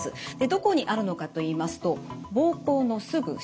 どこにあるのかといいますと膀胱のすぐ下。